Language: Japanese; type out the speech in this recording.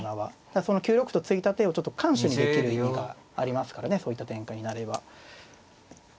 だからその９六歩と突いた手をちょっと緩手にできる意味がありますからねそういった展開になれば。